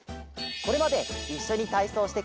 これまでいっしょにたいそうをしてくれた